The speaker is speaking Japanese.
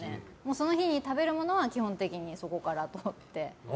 その日に食べるものは基本的にそこから取って。